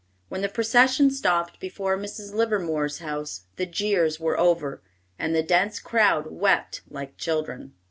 When the procession stopped before Mrs. Livermore's house, the jeers were over, and the dense crowd wept like children.